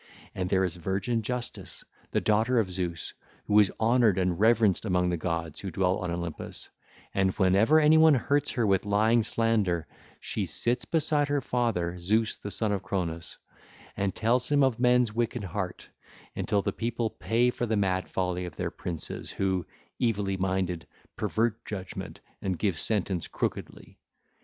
And there is virgin Justice, the daughter of Zeus, who is honoured and reverenced among the gods who dwell on Olympus, and whenever anyone hurts her with lying slander, she sits beside her father, Zeus the son of Cronos, and tells him of men's wicked heart, until the people pay for the mad folly of their princes who, evilly minded, pervert judgement and give sentence crookedly.